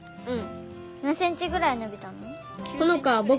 うん。